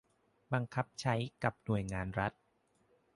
บังคับใช้กับหน่วยงานรัฐ